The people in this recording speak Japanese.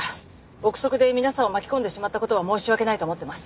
臆測で皆さんを巻き込んでしまったことは申し訳ないと思ってます。